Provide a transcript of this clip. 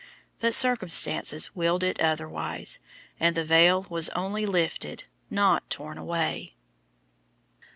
But circumstances willed it otherwise, and the veil was only lifted, not torn away.